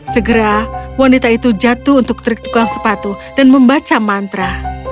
segera wanita itu jatuh untuk tertukang sepatu dan membaca mantra